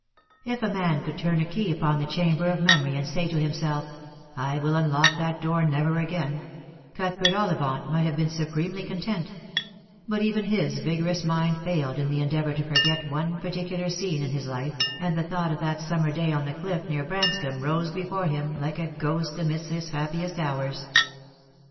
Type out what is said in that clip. If a man could turn a key upon the chamber of memory, and say to himself, " I will unlock that door never again," Outhbert Olli vant might have been supremely content ; but even his vigorous mind failed in the endeavour to forget one particular scene in his life, and the thought of that summer day on the cliff near Branscomb rose before him like a ghost amidst his happiest hours.